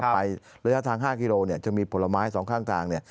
ไประยะทาง๕กิโลกรัมจะมีผลไม้๒ข้าง